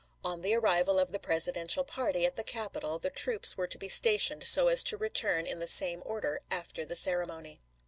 On the arrival of the Presidential party at the Capitol the troops were to be stationed so as to return in the same order after the ceremony.